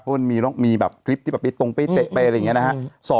เพราะมีคลิปที่ตรงไปเตะไปอะไรอย่างนี้นะครับ